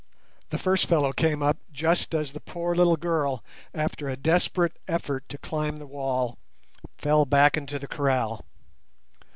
The first fellow came up just as the poor little girl, after a desperate effort to climb the wall, fell back into the kraal.